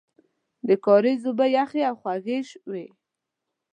د کاریز اوبه یخې او خوږې وې.